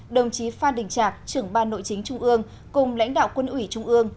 đồng chí phan đình trạc trưởng ban nội chính trung ương cùng lãnh đạo quân ủy trung ương